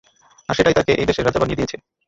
আর সেটাই তাকে এই দেশের রাজা বানিয়ে দিয়েছে।